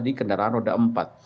di kendaraan roda empat